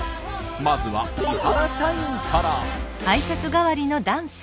まずは伊原社員から。